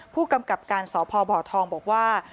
ผู้กำกับการสพบทองบอกว่า